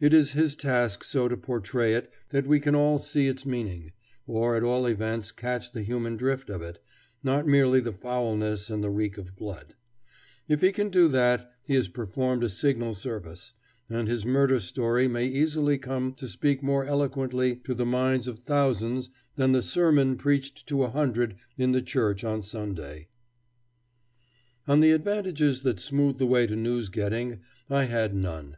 It is his task so to portray it that we can all see its meaning, or at all events catch the human drift of it, not merely the foulness and the reek of blood. If he can do that, he has performed a signal service, and his murder story may easily come to speak more eloquently to the minds of thousands than the sermon preached to a hundred in the church on Sunday. [Illustration: "In which lay dying a French nobleman of proud and ancient name"] Of the advantages that smooth the way to news getting I had none.